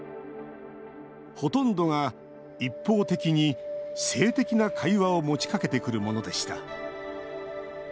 ほとんどが一方的に性的な会話を持ちかけてくるものでした。